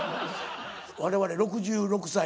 我々６６歳。